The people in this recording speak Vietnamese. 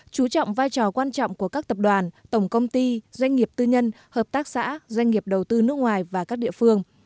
chú trọng vai trò quan trọng của các tập đoàn tổng công ty doanh nghiệp tư nhân hợp tác xã doanh nghiệp đầu tư nước ngoài và các địa phương